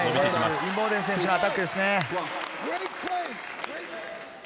インボーデン選手のアタックですね。